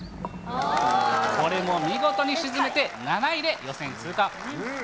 これも見事に沈めて７位で予選通過。